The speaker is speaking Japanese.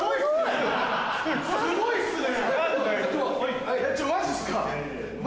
すごいっすね！